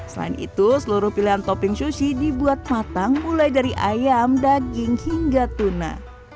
selain itu seluruh pilihan topping sushi dibuat matang mulai dari ayam daging hingga tuna